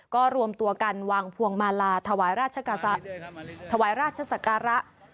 ก็รวมตัวกันวางพวงมาลาถวายราชศักระ